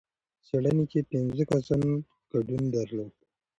څېړنې کې پنځه کسانو ګډون درلود.